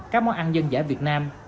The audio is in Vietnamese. các món ăn dân giả việt nam